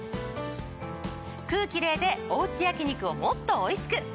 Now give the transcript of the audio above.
クーキレイでおうち焼き肉をもっとおいしく！